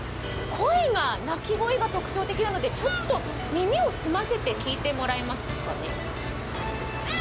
鳴き声が特徴的なので、耳を澄ませて聞いてもらえますかね。